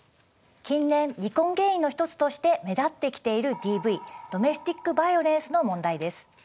近年離婚原因の一つとして目立ってきているＤＶドメスティック・バイオレンスの問題です。